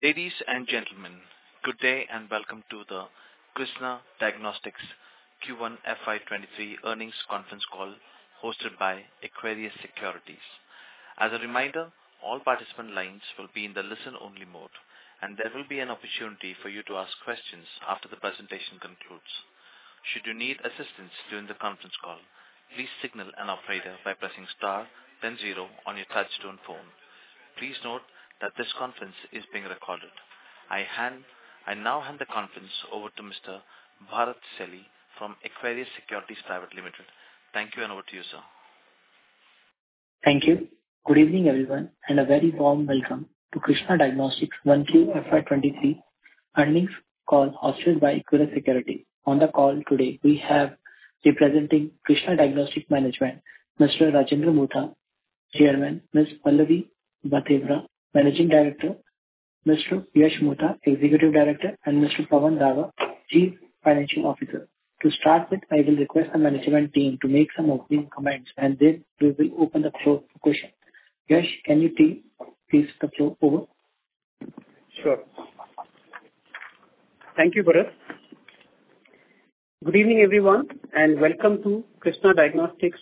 Ladies and gentlemen, good day and welcome to the Krsnaa Diagnostics Q1 FY 23 earnings conference call hosted by Equirus Securities. As a reminder, all participant lines will be in the listen-only mode, and there will be an opportunity for you to ask questions after the presentation concludes. Should you need assistance during the conference call, please signal an operator by pressing star then zero on your touchtone phone. Please note that this conference is being recorded. I now hand the conference over to Mr. Bharat Celly from Equirus Securities Private Limited. Thank you and over to you, sir. Thank you. Good evening, everyone, and a very warm welcome to Krsnaa Diagnostics 1Q FY 23 earnings call hosted by Equirus Securities. On the call today we have representing Krsnaa Diagnostics management, Mr. Rajendra Mutha, Chairman, Ms. Pallavi Bhatevara, Managing Director, Mr. Yash Mutha, Executive Director, and Mr. Pawan Daga, Chief Financial Officer. To start with, I will request the management team to make some opening comments, and then we will open the floor for questions. Yash, can you please take the floor over? Sure. Thank you, Bharat. Good evening, everyone, and welcome to Krsnaa Diagnostics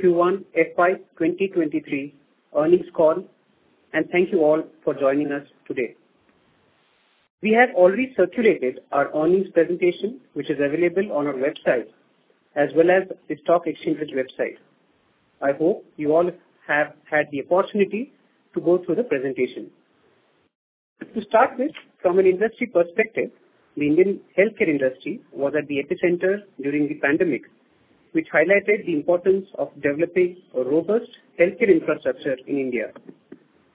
Q1 FY 2023 earnings call. Thank you all for joining us today. We have already circulated our earnings presentation, which is available on our website, as well as the stock exchange's website. I hope you all have had the opportunity to go through the presentation. To start with, from an industry perspective, the Indian healthcare industry was at the epicenter during the pandemic, which highlighted the importance of developing a robust healthcare infrastructure in India.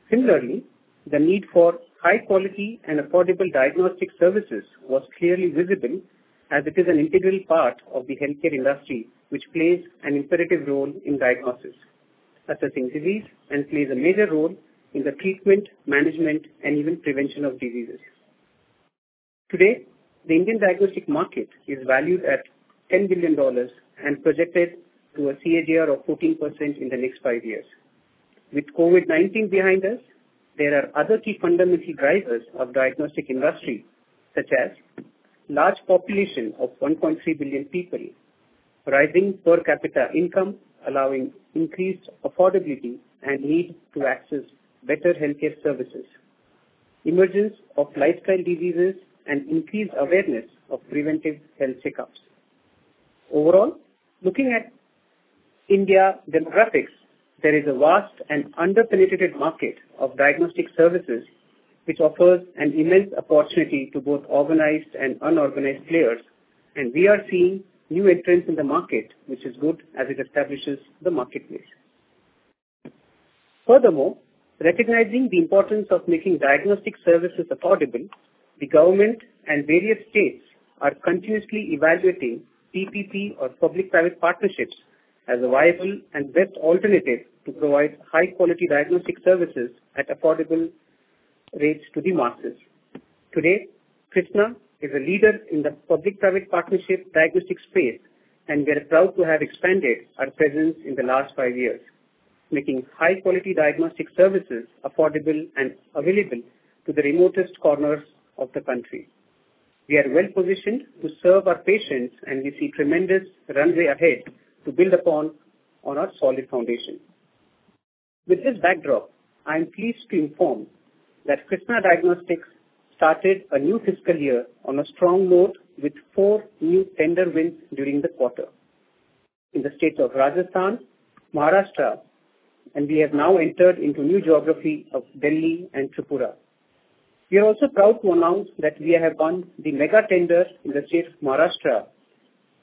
Similarly, the need for high quality and affordable diagnostic services was clearly visible as it is an integral part of the healthcare industry, which plays an imperative role in diagnosis, assessing disease, and plays a major role in the treatment, management, and even prevention of diseases. Today, the Indian diagnostic market is valued at $10 billion and projected at a CAGR of 14% in the next five years. With COVID-19 behind us, there are other key fundamental drivers of diagnostic industry, such as large population of 1.3 billion people, rising per capita income, allowing increased affordability and need to access better healthcare services, emergence of lifestyle diseases and increased awareness of preventive health checkups. Overall, looking at Indian demographics, there is a vast and underpenetrated market of diagnostic services which offers an immense opportunity to both organized and unorganized players. We are seeing new entrants in the market, which is good as it establishes the market place. Furthermore, recognizing the importance of making diagnostic services affordable, the government and various states are continuously evaluating PPP or public-private partnerships as a viable and best alternative to provide high quality diagnostic services at affordable rates to the masses. Today, Krsnaa is a leader in the public-private partnership diagnostic space, and we are proud to have expanded our presence in the last five years, making high quality diagnostic services affordable and available to the remotest corners of the country. We are well-positioned to serve our patients and we see tremendous runway ahead to build upon our solid foundation. With this backdrop, I am pleased to inform that Krsnaa Diagnostics started a new fiscal year on a strong note with four new tender wins during the quarter in the state of Rajasthan, Maharashtra, and we have now entered into new geography of Delhi and Tripura. We are also proud to announce that we have won the mega tender in the state of Maharashtra,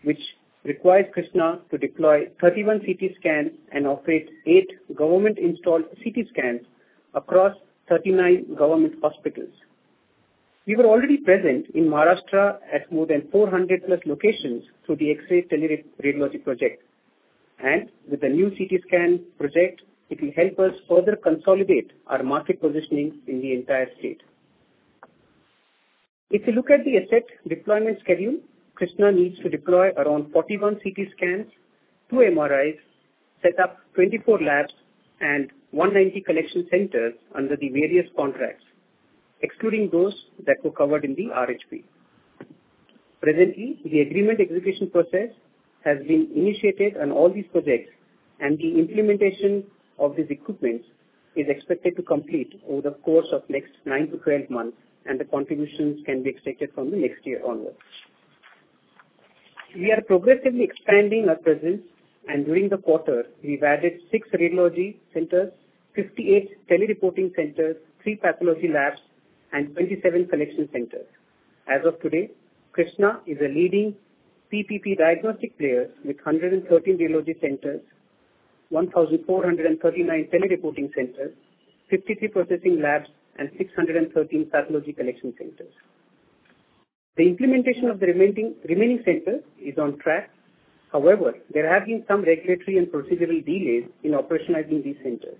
which requires Krsnaa to deploy 31 CT scans and operate eight government-installed CT scans across 39 government hospitals. We were already present in Maharashtra at more than 400+ locations through the X-ray Teleradiology Project. With the new CT scan project, it will help us further consolidate our market positioning in the entire state. If you look at the asset deployment schedule, Krsnaa needs to deploy around 41 CT scans, two MRIs, set up 24 labs and 190 collection centers under the various contracts, excluding those that were covered in the RHP. Presently, the agreement execution process has been initiated on all these projects and the implementation of these equipments is expected to complete over the course of next 9-12 months, and the contributions can be expected from next year onwards. We are progressively expanding our presence, and during the quarter we've added six radiology centers, 58 tele-reporting centers, three pathology labs, and 27 collection centers. As of today, Krsnaa is a leading PPP diagnostic player with 113 radiology centers, 1,439 tele-reporting centers, 53 processing labs, and 613 pathology collection centers. The implementation of the remaining centers is on track. However, there have been some regulatory and procedural delays in operationalizing these centers.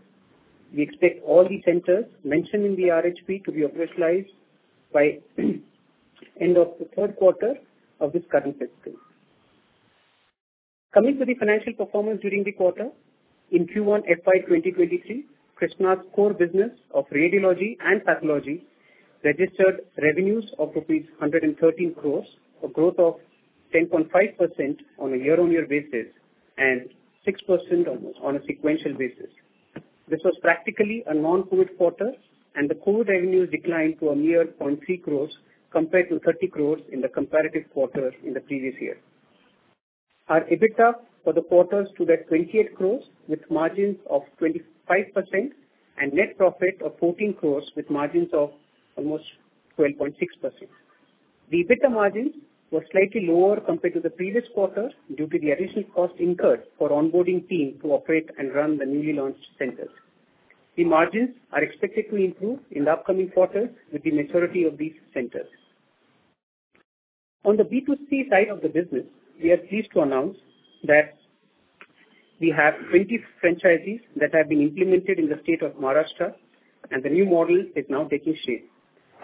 We expect all the centers mentioned in the RHP to be operationalized by end of the third quarter of this current fiscal. Coming to the financial performance during the quarter, in Q1 FY 2023, Krsnaa's core business of radiology and pathology registered revenues of rupees 113 crore, a growth of 10.5% on a year-on-year basis and 6% on a sequential basis. This was practically a non-COVID quarter, and the COVID revenues declined to a mere 0.3 crore compared to 30 crore in the comparative quarter in the previous year. Our EBITDA for the quarter stood at 28 crore with margins of 25% and net profit of 14 crore with margins of almost 12.6%. The EBITDA margins were slightly lower compared to the previous quarter due to the additional costs incurred for onboarding team to operate and run the newly launched centers. The margins are expected to improve in the upcoming quarters with the maturity of these centers. On the B2C side of the business, we are pleased to announce that we have 20 franchises that have been implemented in the state of Maharashtra and the new model is now taking shape.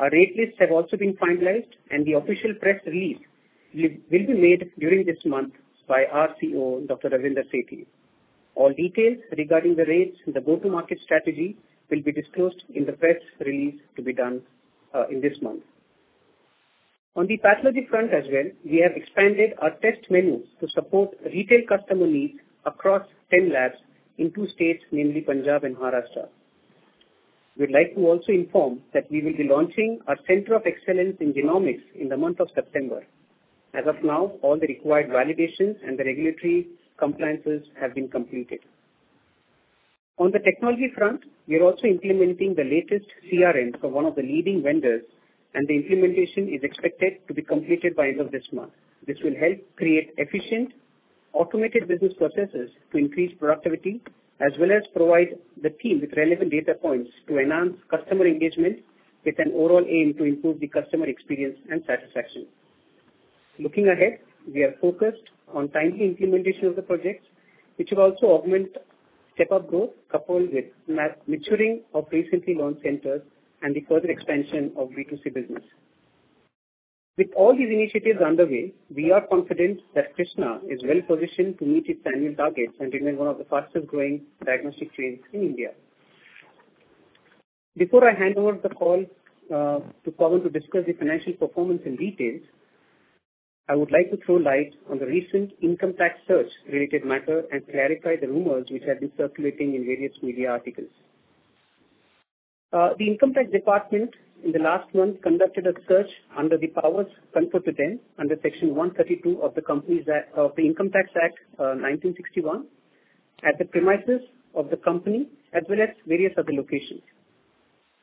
Our rate lists have also been finalized and the official press release will be made during this month by our CEO, Dr. Ravinder Sethi. All details regarding the rates and the go-to-market strategy will be disclosed in the press release to be done in this month. On the pathology front as well, we have expanded our test menus to support retail customer needs across 10 labs in two states, namely Punjab and Maharashtra. We'd like to also inform that we will be launching our Center of Excellence in Genomics in the month of September. As of now, all the required validations and the regulatory compliances have been completed. On the technology front, we are also implementing the latest CRM for one of the leading vendors, and the implementation is expected to be completed by end of this month. This will help create efficient automated business processes to increase productivity, as well as provide the team with relevant data points to enhance customer engagement with an overall aim to improve the customer experience and satisfaction. Looking ahead, we are focused on timely implementation of the projects which will also augment step-up growth coupled with maturing of recently launched centers and the further expansion of B2C business. With all these initiatives underway, we are confident that Krsnaa is well-positioned to meet its annual targets and remain one of the fastest growing diagnostic chains in India. Before I hand over the call to Pawan to discuss the financial performance in details, I would like to throw light on the recent income tax search related matter and clarify the rumors which have been circulating in various media articles. The income tax department in the last month conducted a search under the powers conferred to them under Section 132 of the Income Tax Act, 1961, at the premises of the company as well as various other locations.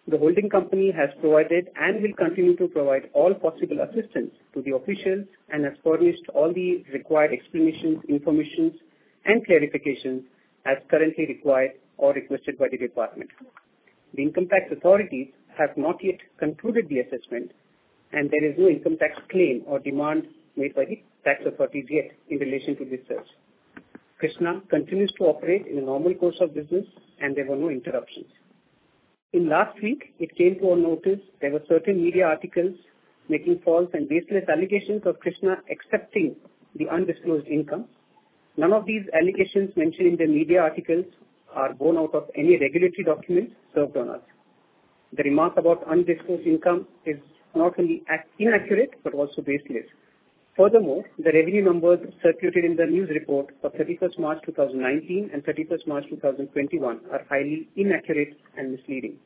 The holding company has provided and will continue to provide all possible assistance to the officials and has furnished all the required explanations, information, and clarifications as currently required or requested by the department. The income tax authorities have not yet concluded the assessment, and there is no income tax claim or demand made by the tax authorities yet in relation to this search. Krsnaa continues to operate in the normal course of business, and there were no interruptions. Last week, it came to our notice there were certain media articles making false and baseless allegations of Krsnaa accepting the undisclosed income. None of these allegations mentioned in the media articles are borne out of any regulatory documents served on us. The remark about undisclosed income is not only inaccurate, but also baseless. Furthermore, the revenue numbers circulated in the news report of March 31st, 2019 and March 31st, 2021 are highly inaccurate and misleading.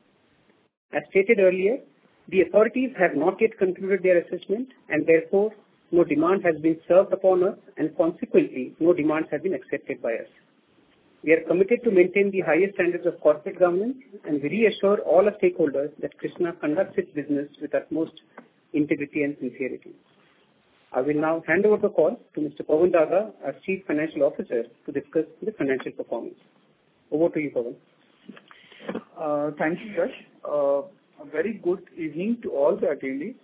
As stated earlier, the authorities have not yet concluded their assessment and therefore no demand has been served upon us and consequently no demands have been accepted by us. We are committed to maintain the highest standards of corporate governance, and we reassure all our stakeholders that Krsnaa conducts its business with utmost integrity and sincerity. I will now hand over the call to Mr. Pawan Daga, our Chief Financial Officer, to discuss the financial performance. Over to you, Pawan. Thank you, Yash. A very good evening to all the attendees.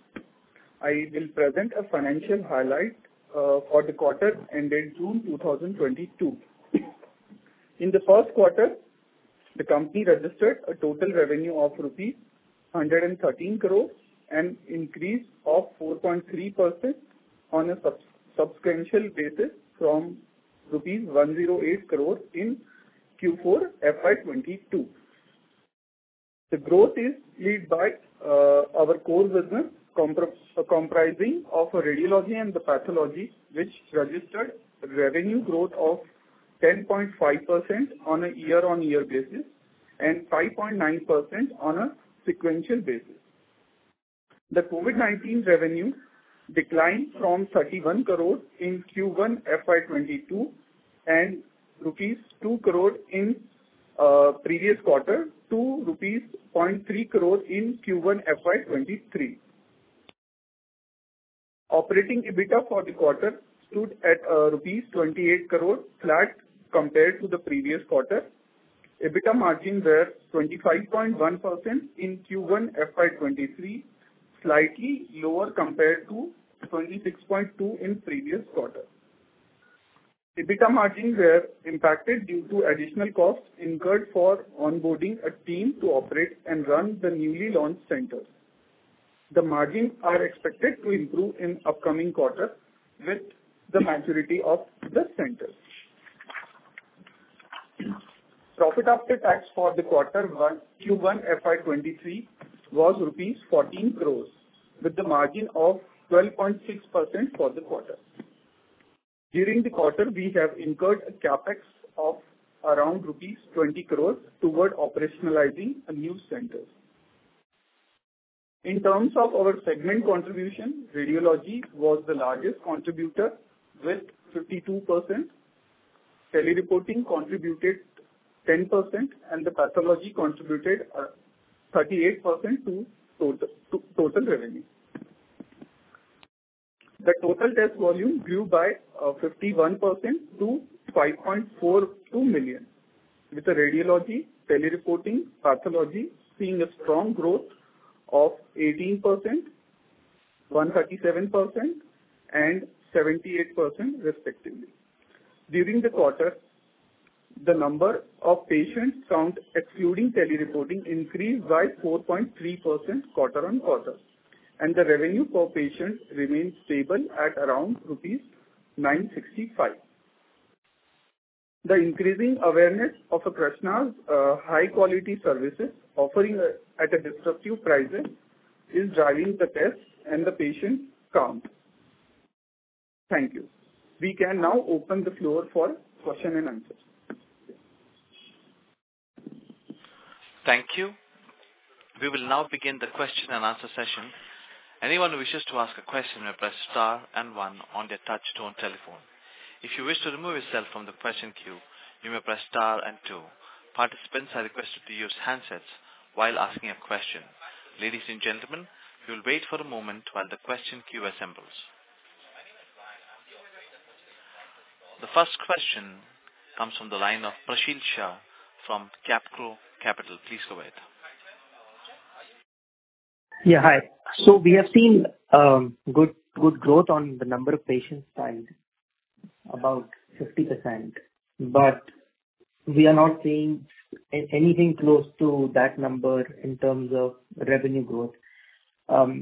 I will present a financial highlight for the quarter ending June 2022. In the first quarter, the company registered a total revenue of rupees 113 crore and an increase of 4.3% on a sequential basis from INR 108 crore in Q4 FY 2022. The growth is led by our core business comprising of radiology and the pathology, which registered revenue growth of 10.5% on a year-on-year basis and 5.9% on a sequential basis. The COVID-19 revenue declined from 31 crore in Q1 FY 2022 and rupees 2 crore in previous quarter to 0.3 crore rupees in Q1 FY 2023. Operating EBITDA for the quarter stood at rupees 28 crore flat compared to the previous quarter. EBITDA margins were 25.1% in Q1 FY 2023, slightly lower compared to 26.2% in previous quarter. EBITDA margins were impacted due to additional costs incurred for onboarding a team to operate and run the newly launched centers. The margins are expected to improve in upcoming quarter with the maturity of the centers. Profit after tax for the quarter one Q1 FY 2023 was rupees 14 crore with the margin of 12.6% for the quarter. During the quarter, we have incurred a CapEx of around rupees 20 crore toward operationalizing new centers. In terms of our segment contribution, Radiology was the largest contributor with 52%. Tele-reporting contributed 10%, and the Pathology contributed 38% to total revenue. The total test volume grew by 51% to 5.42 million, with the Radiology, Tele-reporting, Pathology seeing a strong growth of 18%, 137%, and 78% respectively. During the quarter, the number of patients count excluding tele-reporting increased by 4.3% quarter-on-quarter, and the revenue per patient remains stable at around rupees 965. The increasing awareness of Krsnaa's high quality services offering at a disruptive prices is driving the tests and the patient count. Thank you. We can now open the floor for question and answers. Thank you. We will now begin the question and answer session. Anyone who wishes to ask a question may press star and one on their touch tone telephone. If you wish to remove yourself from the question queue, you may press star and two. Participants are requested to use handsets while asking a question. Ladies and gentlemen, if you'll wait for a moment while the question queue assembles. The first question comes from the line of Prashil Shah from CapitalSquare. Please go ahead. Yeah, hi. We have seen good growth on the number of patients side, about 50%. But we are not seeing anything close to that number in terms of revenue growth.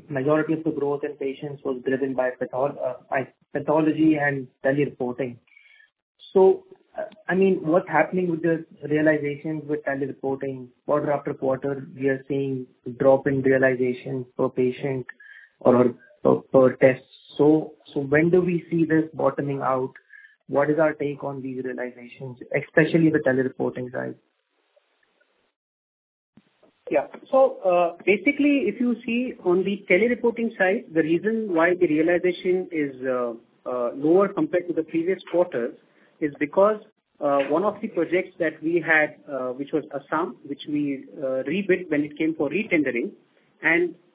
Majority of the growth in patients was driven by pathology and tele-reporting. I mean, what's happening with the realizations with tele-reporting? Quarter after quarter we are seeing drop in realization per patient or per test. When do we see this bottoming out? What is our take on these realizations, especially the tele-reporting side? Yeah. Basically if you see on the tele-reporting side, the reason why the realization is lower compared to the previous quarter is because one of the projects that we had, which was Assam, which we rebid when it came for re-tendering.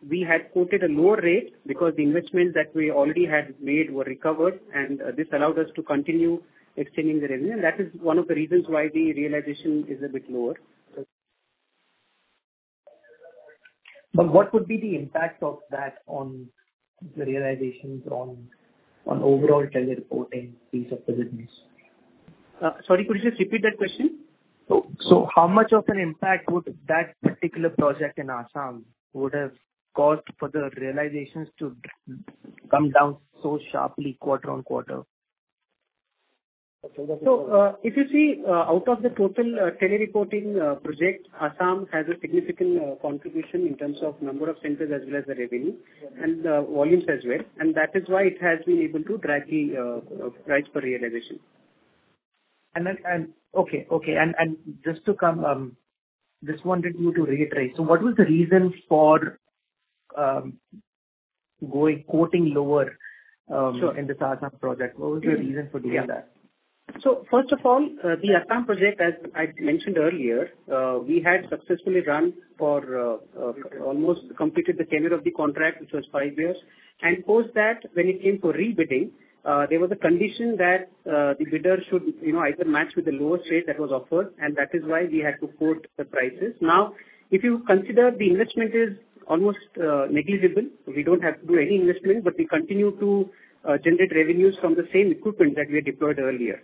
We had quoted a lower rate because the investments that we already had made were recovered, and this allowed us to continue extending the revenue. That is one of the reasons why the realization is a bit lower. What would be the impact of that on the realizations on overall Tele-reporting piece of the business? Sorry, could you just repeat that question? How much of an impact would that particular project in Assam would have caused for the realizations to come down so sharply quarter-on-quarter? If you see, out of the total, tele-reporting project, Assam has a significant contribution in terms of number of centers as well as the revenue- Yeah. Volumes as well. That is why it has been able to drag the price per realization. Okay. Just wanted you to reiterate. What was the reasons for going quoting lower. Sure. In this Assam project? What was the reason for doing that? Yeah. First of all, the Assam project, as I'd mentioned earlier, we had successfully run for almost completed the tenure of the contract, which was five years. Post that when it came to rebidding, there was a condition that the bidder should, you know, either match with the lowest rate that was offered. That is why we had to quote the prices. Now, if you consider the investment is almost negligible. We don't have to do any investment, but we continue to generate revenues from the same equipment that we had deployed earlier.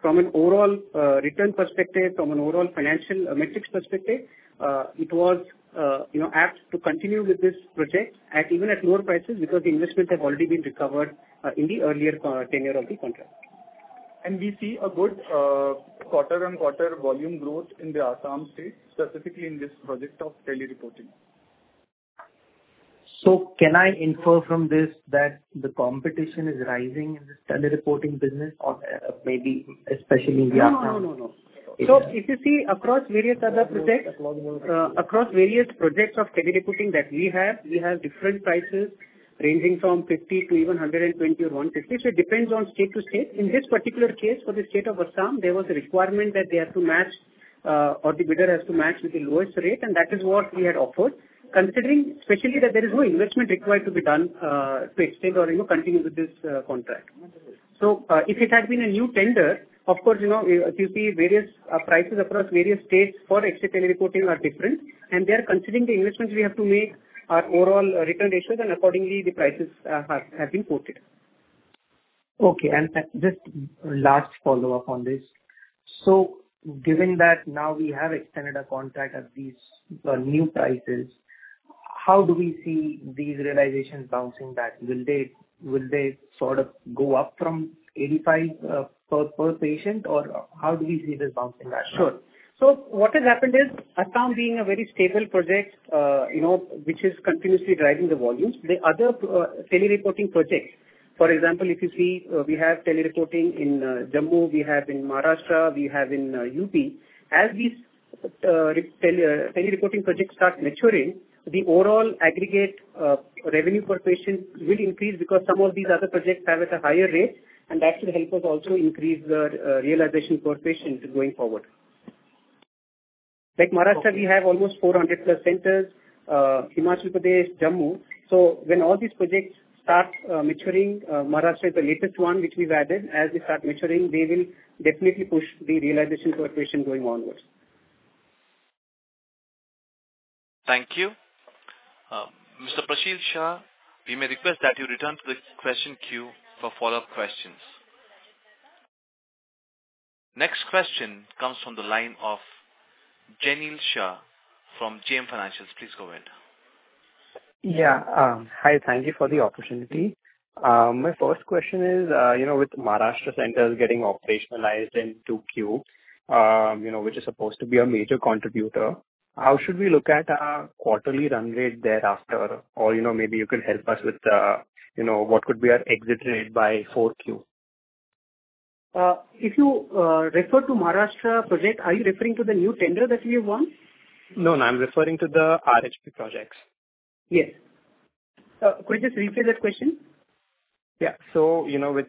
From an overall return perspective, from an overall financial metrics perspective, it was, you know, apt to continue with this project even at lower prices because the investments have already been recovered in the earlier tenure of the contract. We see a good quarter-over-quarter volume growth in the Assam state, specifically in this project of tele-reporting. Can I infer from this that the competition is rising in this Tele-reporting business or, maybe especially in the Assam? No, no, no. Okay. If you see across various projects of tele-reporting that we have, we have different prices ranging from 50 to even 120 or 150. It depends on state to state. In this particular case, for the state of Assam, there was a requirement that they have to match, or the bidder has to match with the lowest rate, and that is what we had offered. Considering especially that there is no investment required to be done, to extend or, you know, continue with this, contract. If it had been a new tender, of course, you know, if you see various prices across various states for extra tele-reporting are different. And there considering the investments we have to make, our overall return ratios and accordingly the prices, have been quoted. Okay. Just last follow-up on this. Given that now we have extended a contract at these new prices, how do we see these realizations bouncing back? Will they sort of go up from 85 per patient or how do we see this bouncing back? Sure. What has happened is Assam being a very stable project, you know, which is continuously driving the volumes. The other tele-reporting projects. For example, if you see, we have tele-reporting in Jammu, we have in Maharashtra, we have in UP. As these tele-reporting projects start maturing, the overall aggregate revenue per patient will increase because some of these other projects have at a higher rate, and that should help us also increase the realization per patient going forward. Like Maharashtra, we have almost 400+ centers, Himachal Pradesh, Jammu. When all these projects start maturing, Maharashtra is the latest one which we've added. As they start maturing, they will definitely push the realization per patient going onwards. Thank you. Mr. Prashil Shah, we may request that you return to the question queue for follow-up questions. Next question comes from the line of Jainil Shah from JM Financial. Please go ahead. Yeah. Hi. Thank you for the opportunity. My first question is, you know, with Maharashtra centers getting operationalized in 2Q, you know, which is supposed to be a major contributor, how should we look at our quarterly run rate thereafter? Or, you know, maybe you could help us with, you know, what could be our exit rate by 4Q. If you refer to the Maharashtra project, are you referring to the new tender that we won? No, no. I'm referring to the RHP projects. Yes. Could you just repeat that question? With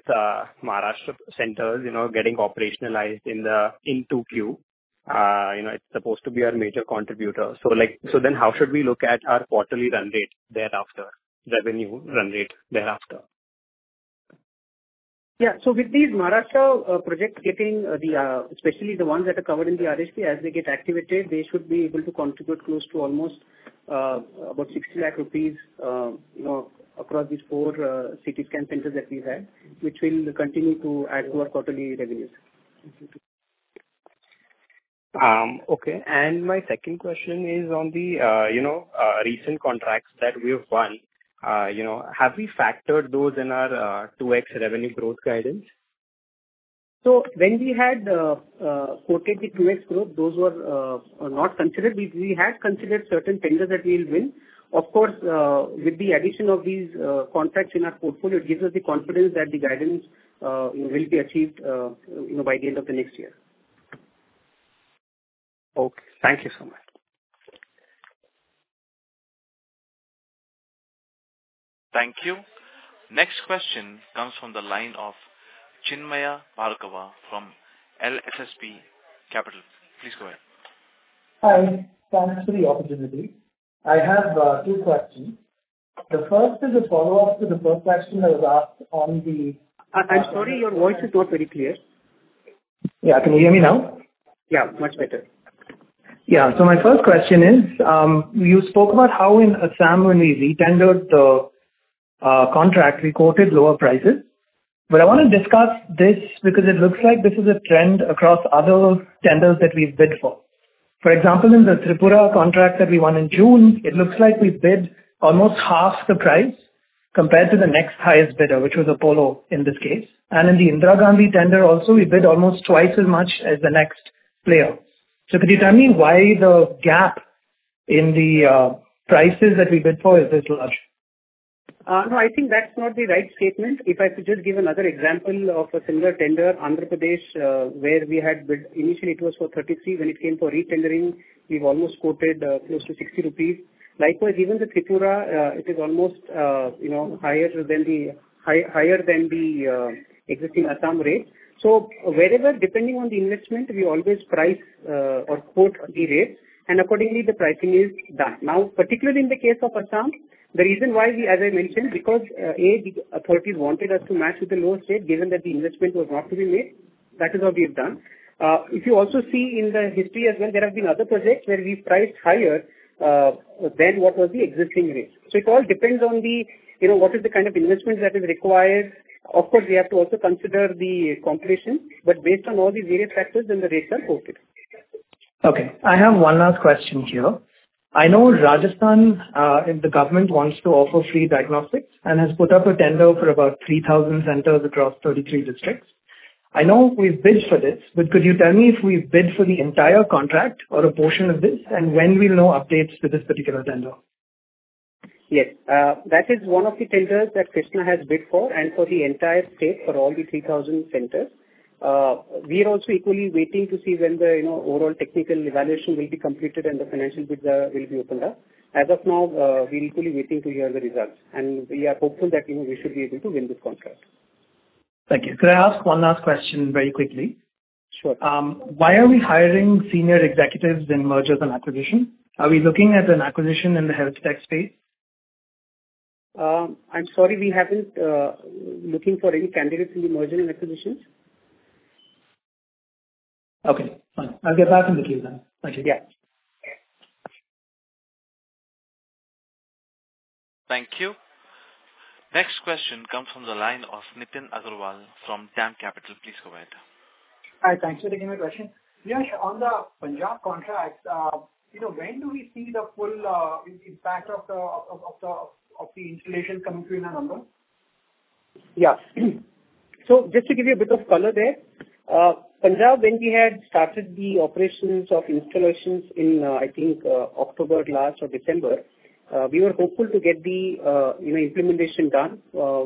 Maharashtra centers you know getting operationalized in 2Q you know it's supposed to be our major contributor. Like then how should we look at our quarterly run rate thereafter? Revenue run rate thereafter? Yeah. With these Maharashtra projects, especially the ones that are covered in the RHP, as they get activated, they should be able to contribute close to almost about 60 lakh rupees, you know, across these four CT scan centers that we have, which will continue to add to our quarterly revenues. Okay. My second question is on the, you know, recent contracts that we have won. You know, have we factored those in our 2x revenue growth guidance? When we had quoted the 2x growth, those were not considered. We had considered certain tenders that we'll win. Of course, with the addition of these contracts in our portfolio, it gives us the confidence that the guidance will be achieved, you know, by the end of the next year. Okay. Thank you so much. Thank you. Next question comes from the line of Chinmaya Bhargava from LSB Capital. Please go ahead. Hi. Thanks for the opportunity. I have two questions. The first is a follow-up to the first question that was asked on the- I'm sorry, your voice is not very clear. Yeah. Can you hear me now? Yeah, much better. Yeah. My first question is, you spoke about how in Assam when we retendered the contract, we quoted lower prices. I wanna discuss this because it looks like this is a trend across other tenders that we've bid for. For example, in the Tripura contract that we won in June, it looks like we bid almost half the price compared to the next highest bidder, which was Apollo in this case. In the Indira Gandhi tender also, we bid almost twice as much as the next player. Could you tell me why the gap in the prices that we bid for is this large? No, I think that's not the right statement. If I could just give another example of a similar tender, Andhra Pradesh, where we had bid initially it was for 33. When it came for retendering, we've almost quoted close to 60 rupees. Likewise, even the Tripura, it is almost, you know, higher than the higher than the existing Assam rate. Wherever, depending on the investment, we always price or quote the rates and accordingly the pricing is done. Now, particularly in the case of Assam, the reason why we as I mentioned, because the authorities wanted us to match with the lowest rate given that the investment was not to be made. That is how we have done. If you also see in the history as well, there have been other projects where we've priced higher than what was the existing rate. It all depends on the, you know, what is the kind of investment that is required. Of course, we have to also consider the competition, but based on all the various factors then the rates are quoted. Okay. I have one last question here. I know Rajasthan, the government wants to offer free diagnostics and has put up a tender for about 3,000 centers across 33 districts. I know we've bid for this, but could you tell me if we've bid for the entire contract or a portion of this, and when we'll know updates to this particular tender? Yes. That is one of the tenders that Krsnaa has bid for and for the entire state for all the 3,000 centers. We're also equally waiting to see when the, you know, overall technical evaluation will be completed and the financial bids will be opened up. As of now, we're equally waiting to hear the results, and we are hopeful that, you know, we should be able to win this contract. Thank you. Could I ask one last question very quickly? Sure. Why are we hiring senior executives in mergers and acquisitions? Are we looking at an acquisition in the health tech space? I'm sorry, we haven't been looking for any candidates in mergers and acquisitions. Okay, fine. I'll get back in the queue then. Thank you. Yeah. Thank you. Next question comes from the line of Nitin Agarwal from DAM Capital. Please go ahead. Hi, thanks for taking my question. Yes, on the Punjab contract, you know, when do we see the full impact of the installation coming through in the numbers? Yeah. Just to give you a bit of color there, Punjab, when we had started the operations of installations in, I think, October last or December, we were hopeful to get the, you know, implementation done,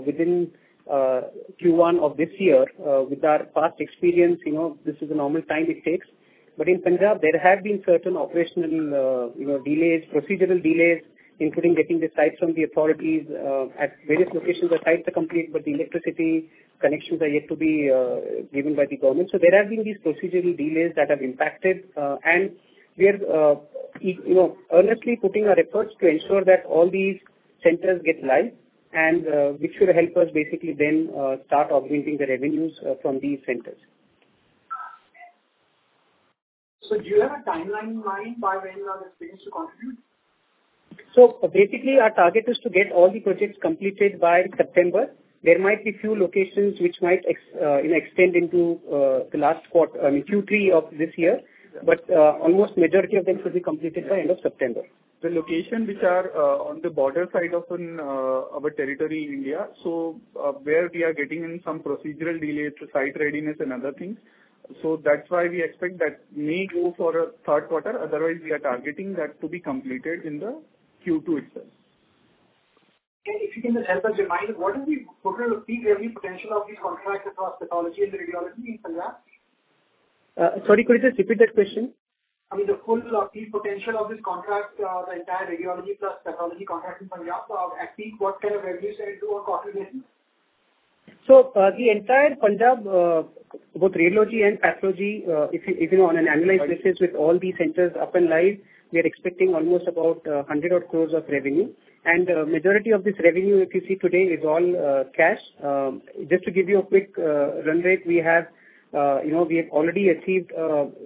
within, Q1 of this year. With our past experience, you know, this is the normal time it takes. In Punjab, there have been certain operational, you know, delays, procedural delays, including getting the sites from the authorities. At various locations the sites are complete, but the electricity connections are yet to be, given by the government. There have been these procedural delays that have impacted. We are, you know, earnestly putting our efforts to ensure that all these centers get live and which should help us basically then start augmenting the revenues from these centers. Do you have a timeline in mind by when you are expecting this to contribute? Basically our target is to get all the projects completed by September. There might be few locations which might extend into, I mean, Q3 of this year. Yeah. Almost majority of them should be completed by end of September. The locations which are on the border side of our territory in India, so where we are getting in some procedural delays to site readiness and other things. That's why we expect that may go for third quarter. Otherwise we are targeting that to be completed in the Q2 itself. If you can just help us remind, what is the total peak revenue potential of these contracts across pathology and the radiology in Punjab? Sorry, could you just repeat that question? I mean, the full peak potential of this contract, the entire radiology plus pathology contract in Punjab, at peak, what kind of revenues or contribution? The entire Punjab both radiology and pathology, if you know on an annualized basis with all these centers up and live, we are expecting almost about 100 odd crore of revenue. Majority of this revenue, if you see today, is all cash. Just to give you a quick run rate we have, you know, we have already achieved,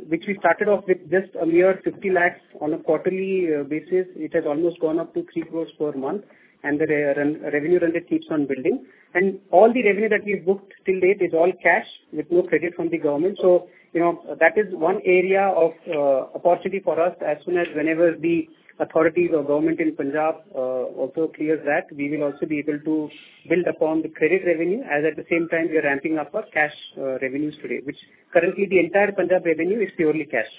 which we started off with just a mere 50 lakh on a quarterly basis. It has almost gone up to 3 crore per month. The revenue run rate keeps on building. All the revenue that we've booked till date is all cash with no credit from the government. You know, that is one area of opportunity for us. As soon as the authorities or government in Punjab also clears that, we will also be able to build upon the credit revenue and at the same time we are ramping up our cash revenues today, which currently the entire Punjab revenue is purely cash.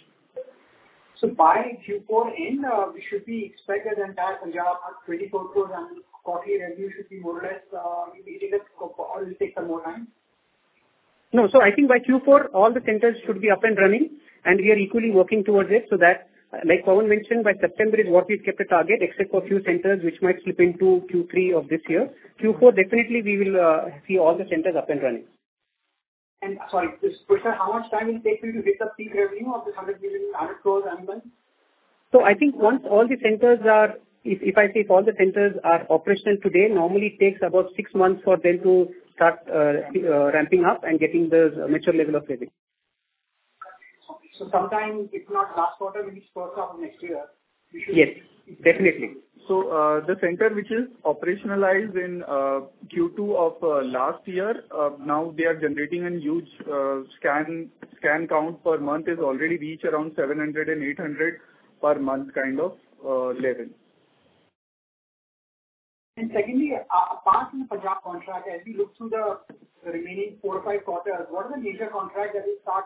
By Q4 end, we should be expecting that Punjab 24 crore annual quarterly revenue should be more or less, you're indicating or it will take some more time? No. I think by Q4 all the centers should be up and running, and we are equally working towards it so that, like Pawan mentioned, by September is what we've kept the target, except for a few centers which might slip into Q3 of this year. Q4 definitely we will see all the centers up and running. Sorry, just push that. How much time will it take you to get the peak revenue of 100 million, 100 crore annual? If I say if all the centers are operational today, normally it takes about six months for them to start ramping up and getting the mature level of revenue. Okay. Sometime, if not last quarter, maybe first half of next year, we should. Yes. Definitely. The center which is operationalized in Q2 of last year, now they are generating a huge scan count per month is already reached around 700-800 per month kind of level. Secondly, apart from the Punjab contract, as we look through the remaining four or five quarters, what are the major contracts that will start,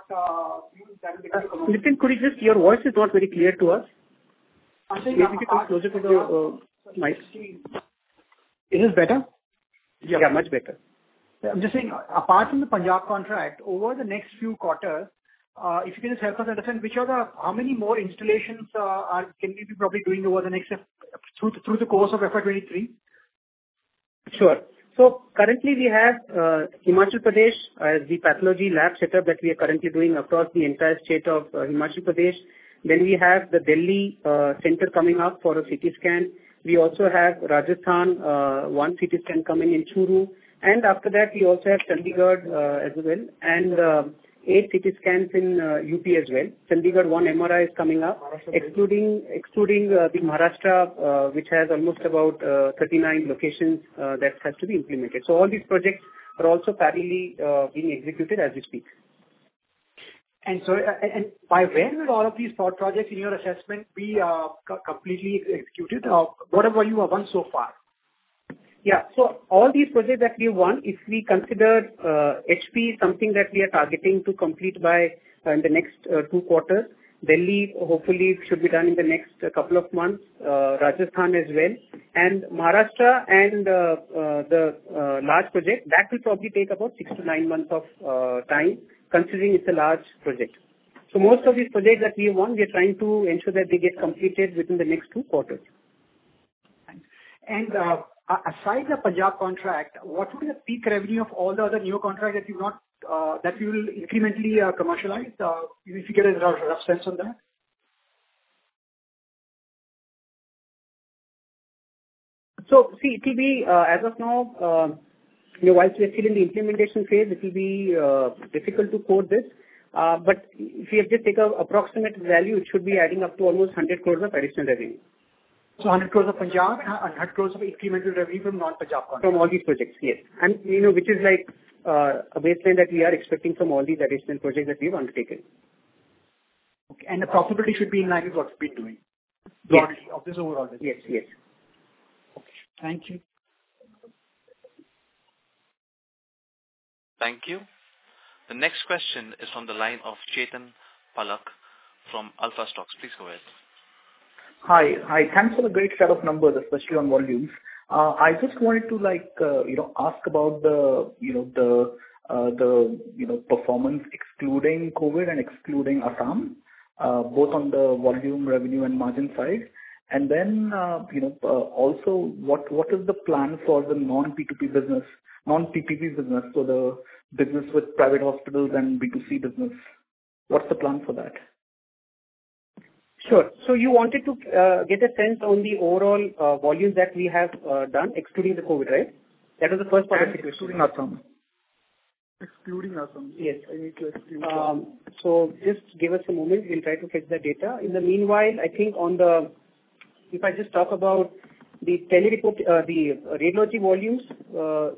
you know, generating? Nitin, your voice is not very clear to us. I'm saying apart from the Punjab. Maybe get closer to the mic. Is this better? Yeah. Yeah, much better. I'm just saying apart from the Punjab contract, over the next few quarters, if you can just help us understand how many more installations are we probably doing over the next through the course of FY 2023? Sure. Currently we have Himachal Pradesh, the pathology lab setup that we are currently doing across the entire state of Himachal Pradesh. We have the Delhi center coming up for a CT scan. We also have Rajasthan, one CT scan coming in Churu. After that we also have Chandigarh as well, and eight CT scans in UP as well. Chandigarh one MRI is coming up. Excluding the Maharashtra, which has almost about 39 locations that has to be implemented. All these projects are also currently being executed as we speak. By when will all of these four projects in your assessment be completely executed, or whatever you have won so far? All these projects that we won, if we consider Himachal Pradesh that we are targeting to complete by in the next two quarters. Delhi hopefully should be done in the next couple of months. Rajasthan as well. Maharashtra and the large project that will probably take about 6-9 months of time, considering it's a large project. Most of these projects that we won, we are trying to ensure that they get completed within the next two quarters. Aside the Punjab contract, what will be the peak revenue of all the other new contracts that you will incrementally commercialize? If you could give a rough sense on that. See, it will be, as of now, you know, while we are still in the implementation phase, it will be difficult to quote this. But if you have to take an approximate value, it should be adding up to almost 100 crore of additional revenue. 100 crore of Punjab and 100 crore of incremental revenue from non-Punjab projects. From all these projects, yes. You know, which is like, a baseline that we are expecting from all these additional projects that we've undertaken. Okay. The profitability should be in line with what you've been doing. Yes. Of this overall business. Yes, yes. Okay. Thank you. Thank you. The next question is on the line of Chetan Palak from Alpha Invesco. Please go ahead. Hi. Thanks for the great set of numbers, especially on volumes. I just wanted to, like, you know, ask about the, you know, performance excluding COVID and excluding Assam, both on the volume, revenue and margin side. Then, you know, also what is the plan for the non-P2P business, non-PPP business? The business with private hospitals and B2C business, what's the plan for that? Sure. You wanted to get a sense on the overall volumes that we have done excluding the COVID, right? That is the first part of the question. Excluding Assam. Yes. I need to exclude Assam. Just give us a moment. We'll try to fetch the data. In the meanwhile, I think, if I just talk about the tele-reporting, the radiology volumes,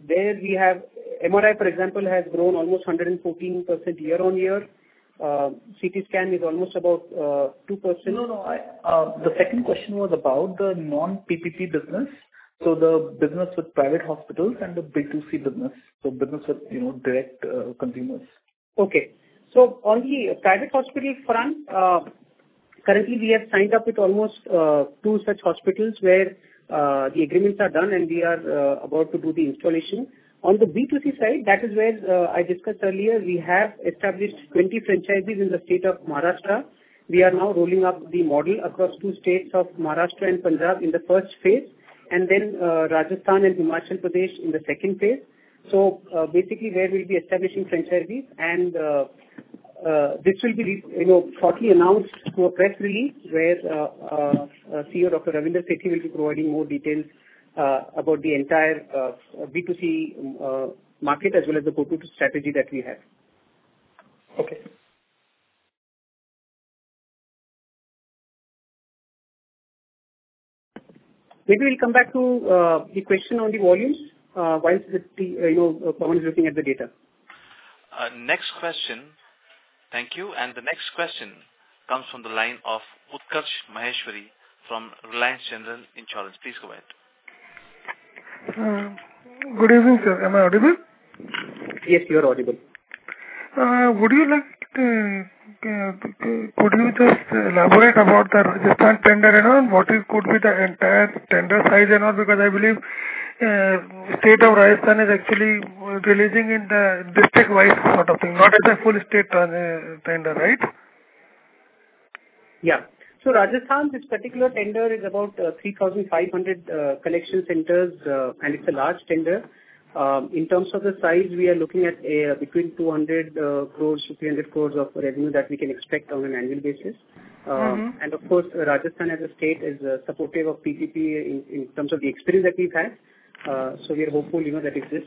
there we have MRI, for example, has grown almost 114% year-on-year. CT scan is almost about 2%. No, no. I, the second question was about the non-PPP business. The business with private hospitals and the B2C business. Business with, you know, direct, consumers. Okay. On the private hospital front, currently we have signed up with almost two such hospitals where the agreements are done and we are about to do the installation. On the B2C side, that is where I discussed earlier, we have established 20 franchises in the state of Maharashtra. We are now rolling out the model across two states of Maharashtra and Punjab in the first phase, and then Rajasthan and Himachal Pradesh in the second phase. Basically there we'll be establishing franchises and this will be, you know, shortly announced through a press release where CEO Dr. Ravinder Sethi will be providing more details about the entire B2C market as well as the go-to-market strategy that we have. Okay. Maybe we'll come back to the question on the volumes, while, you know, Pawan is looking at the data. Next question. Thank you. The next question comes from the line of Utkarsh Maheshwari from Reliance General Insurance. Please go ahead. Good evening, sir. Am I audible? Yes, you are audible. Could you just elaborate about the Rajasthan tender and all? What could be the entire tender size and all? Because I believe State of Rajasthan is actually releasing in the district-wide sort of thing, not as a full state tender, right? Rajasthan, this particular tender is about 3,500 collection centers, and it's a large tender. In terms of the size, we are looking at between 200 crore-300 crore of revenue that we can expect on an annual basis. Mm-hmm. Of course, Rajasthan as a state is supportive of PPP in terms of the experience that we've had. We are hopeful, you know, that if this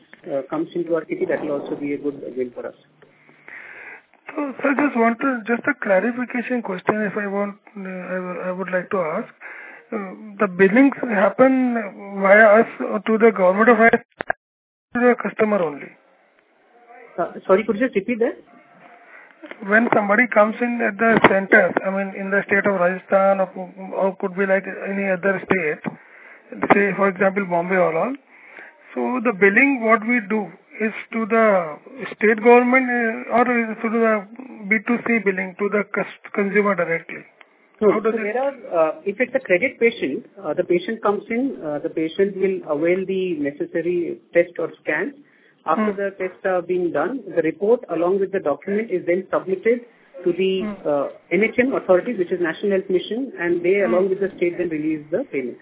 comes into RFP, that will also be a good win for us. I just want a clarification question. I would like to ask. The billings happen via us to the government or to the customer only? Sorry, could you repeat that? When somebody comes in at the centers, I mean, in the state of Rajasthan or could be like any other state, say for example Bombay or all. The billing, what we do is to the state government or is it through the B2C billing to the customer directly? How does it- There are, if it's a credit patient, the patient comes in, the patient will avail the necessary test or scan. Mm-hmm. After the tests are being done, the report along with the document is then submitted to the. Mm-hmm. NHM authority, which is National Health Mission, and they along with the state then release the payment.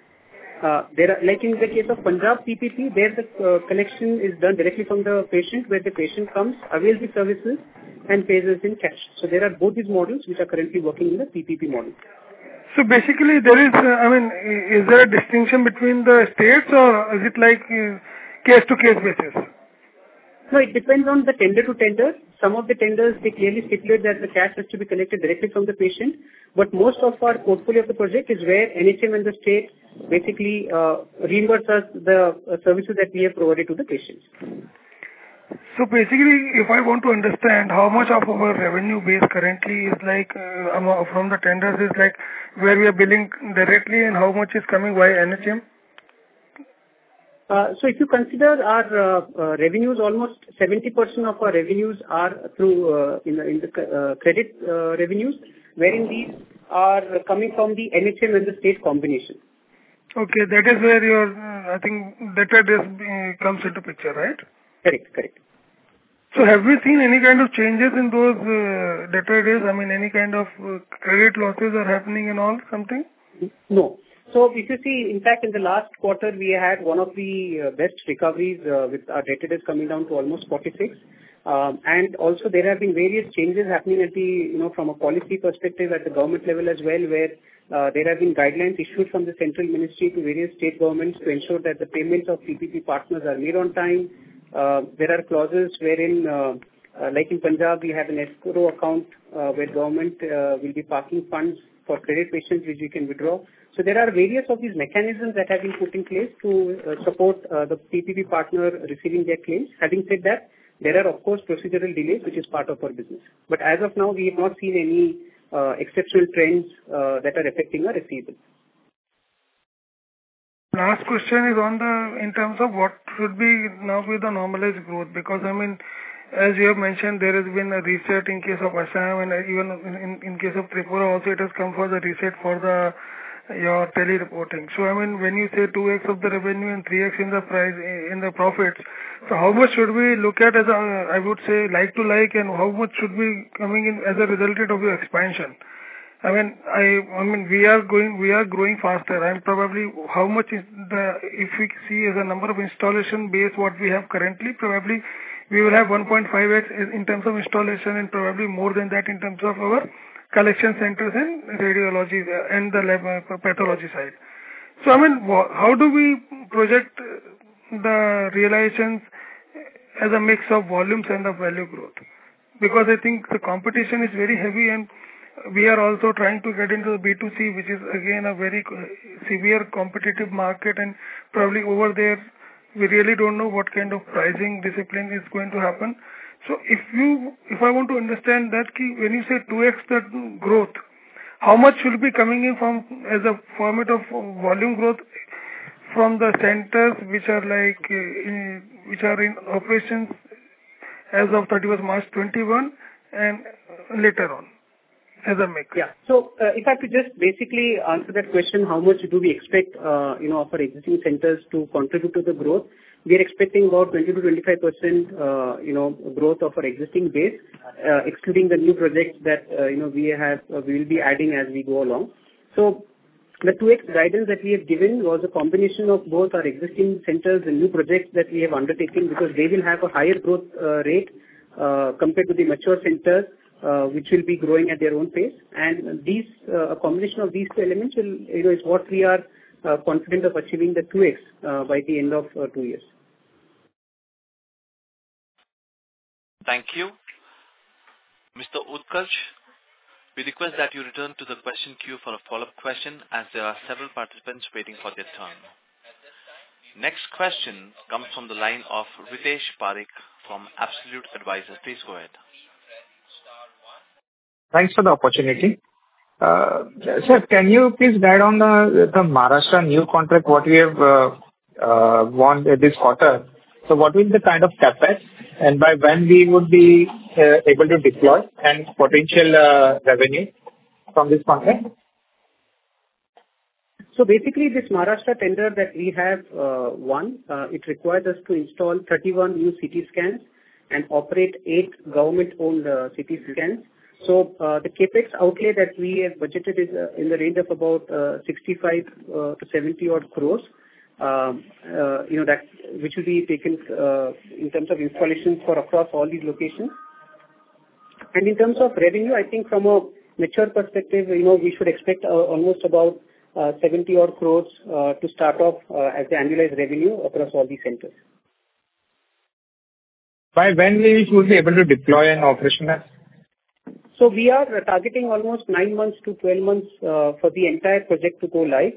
There are like in the case of Punjab PPP, the collection is done directly from the patient where the patient comes, avails the services and pays us in cash. There are both these models which are currently working in the PPP model. Basically there is, I mean, is there a distinction between the states or is it like case to case basis? No, it depends on the tender to tender. Some of the tenders, they clearly stipulate that the cash has to be collected directly from the patient. Most of our portfolio of the project is where NHM and the state basically reimburse us the services that we have provided to the patients. Basically, if I want to understand how much of our revenue base currently is like, from the tenders is like where we are billing directly and how much is coming via NHM? If you consider our revenues, almost 70% of our revenues are through the government revenues, wherein these are coming from the NHM and the state combination. Okay. That is where your, I think, debtor days, comes into picture, right? Correct, correct. Have you seen any kind of changes in those, debtor days? I mean, any kind of credit losses are happening and all, something? No. If you see, in fact, in the last quarter, we had one of the best recoveries, with our debtor days coming down to almost 46. Also there have been various changes happening at the, you know, from a policy perspective at the government level as well, where there have been guidelines issued from the central ministry to various state governments to ensure that the payments of PPP partners are made on time. There are clauses wherein, like in Punjab, we have an escrow account, where government will be parking funds for credit patients which we can withdraw. There are various of these mechanisms that have been put in place to support the PPP partner receiving their claims. Having said that, there are of course procedural delays, which is part of our business. As of now, we have not seen any exceptional trends that are affecting our receivables. Last question is on the in terms of what should now be the normalized growth. Because, I mean, as you have mentioned, there has been a reset in case of Assam and even in case of Tripura also it has come for the reset for your tele-reporting. I mean, when you say 2x of the revenue and 3x in the profits, how much should we look at as a, I would say like-for-like, and how much should be coming in as a result of your expansion? I mean, we are growing faster and probably if we see as a number of installed base what we have currently, probably we will have 1.5x in terms of installation and probably more than that in terms of our collection centers in radiology and the lab pathology side. I mean, how do we project the realization as a mix of volumes and of value growth? Because I think the competition is very heavy, and we are also trying to get into the B2C, which is again a very severe competitive market. Probably over there we really don't know what kind of pricing discipline is going to happen. If I want to understand that when you say 2x the growth, how much will be coming in from as a format of volume growth from the centers which are like, which are in operations as of 31 March 2021 and later on as a mix? Yeah. If I could just basically answer that question, how much do we expect, you know, for existing centers to contribute to the growth. We are expecting about 20-25%, you know, growth of our existing base, excluding the new projects that we will be adding as we go along. The 2x guidance that we have given was a combination of both our existing centers and new projects that we have undertaken because they will have a higher growth rate compared to the mature centers, which will be growing at their own pace. These combination of these elements will, you know, is what we are confident of achieving the 2x by the end of two years. Thank you. Mr. Utkarsh Maheshwari, we request that you return to the question queue for a follow-up question, as there are several participants waiting for their turn. Next question comes from the line of Ritesh Parikh from Absolute Advisors. Please go ahead. Thanks for the opportunity. Sir, can you please guide on the Maharashtra new contract what we have won this quarter? What will be the kind of CapEx and by when we would be able to deploy and potential revenue from this contract? Basically this Maharashtra tender that we have won requires us to install 31 new CT scans and operate eight government-owned CT scans. The CapEx outlay that we have budgeted is in the range of about 65 crore-70-odd crore. You know, which will be taken in terms of installation across all these locations. In terms of revenue, I think from a mature perspective, you know, we should expect almost about 70-odd crore to start off as the annualized revenue across all these centers. By when we should be able to deploy and operationalize? We are targeting almost 9-12 months for the entire project to go live.